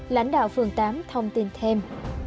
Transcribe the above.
lãnh đạo phường tám thông tin thêm